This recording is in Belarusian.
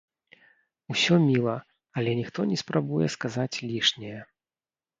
Усё міла, але ніхто не спрабуе сказаць лішняе.